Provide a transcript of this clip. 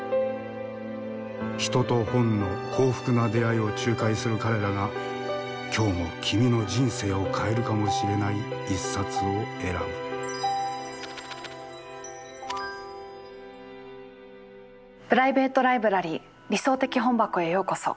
人と本の幸福な出会いを仲介する彼らが今日も君の人生を変えるかもしれない一冊を選ぶプライベート・ライブラリー「理想的本箱」へようこそ。